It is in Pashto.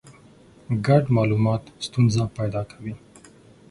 ګډ مالومات ستونزه پیدا کوي.